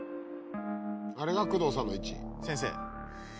あれが工藤さんの位置。